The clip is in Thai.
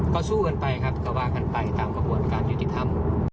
ก็สู้กันไปครับก็ว่ากันไปตามกระบวนการยุติธรรม